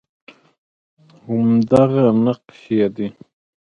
همدغه نقش یې دی